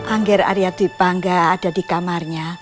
anggir arya dwi pangga ada di kamarnya